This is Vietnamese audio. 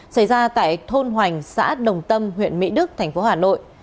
xảy ra tại thôn hoành xã đồng tâm huyện mỹ đức tp hà nội